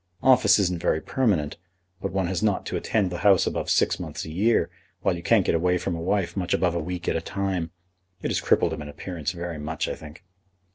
Office isn't very permanent, but one has not to attend the House above six months a year, while you can't get away from a wife much above a week at a time. It has crippled him in appearance very much, I think."